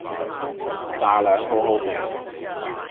炸両好好味